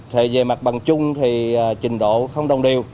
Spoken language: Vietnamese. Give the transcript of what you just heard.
thì về mặt bằng chung thì trình độ không đồng điều